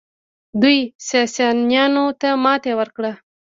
دوی ساسانیانو ته ماتې ورکړه